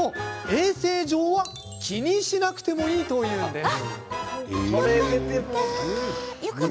どちらのメーカーも衛生上は気にしなくてもいいというんです。